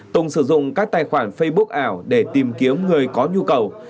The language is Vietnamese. tùng sử dụng các tài khoản facebook ảo để tìm kiếm người có nhu cầu